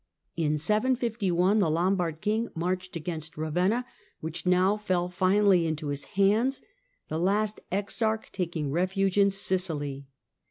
In 751 the jombard king marched against Ravenna, which now jll finally into his hands, the last exarch taking refuge l Sicily.